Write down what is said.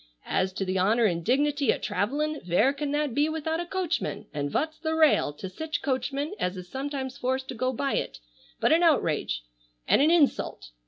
"As to the honor an' dignity o' travellin' vere can that be without a coachman, and vat's the rail, to sich coachmen as is sometimes forced to go by it, but an outrage and an hinsult?